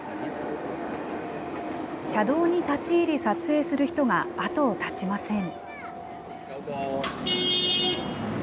車道に立ち入り撮影する人が後を絶ちません。